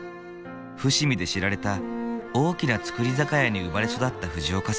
伏見で知られた大きな造り酒屋に生まれ育った藤岡さん。